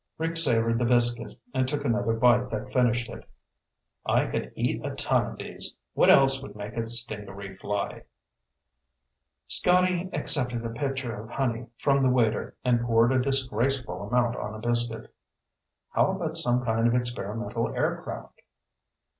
Rick savored the biscuit and took another bite that finished it. "I could eat a ton of these. What else would make a stingaree fly?" Scotty accepted a pitcher of honey from the waiter and poured a disgraceful amount on a biscuit. "How about some kind of experimental aircraft?"